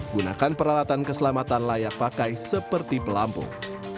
gunakan peralatan keselamatan layak pakai seperti pelampung